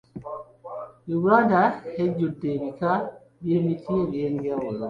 Uganda ejjudde ebika by'emiti eby'enjawulo.